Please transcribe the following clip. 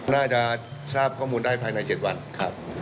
น่าจะทราบข้อมูลได้ภายใน๗วันครับ